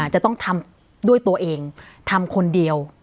จะต้องทำด้วยตัวเองทำคนเดียว